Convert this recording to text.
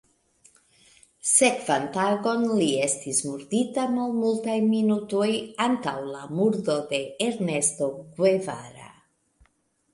Sekvan tagon li estis murdita malmultaj minutoj antaŭ la murdo de Ernesto Guevara.